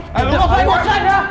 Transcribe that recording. kalian mau saya bosan ya